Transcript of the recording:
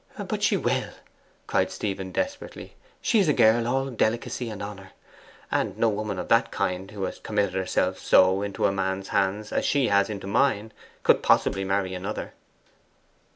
'But she will!' cried Stephen desperately. 'She is a girl all delicacy and honour. And no woman of that kind, who has committed herself so into a man's hands as she has into mine, could possibly marry another.